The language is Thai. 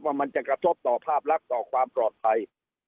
มันจะกระทบต่อภาพลักษณ์ต่อความปลอดภัย